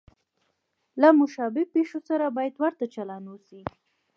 له مشابه پېښو سره باید ورته چلند وشي.